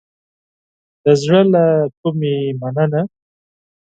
د زړه له کومې مننه